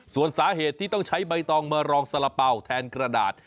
ส่วนสาเหตุที่ต้องใช้ใบตองมารองสาระเป๋าแทนกระดาษ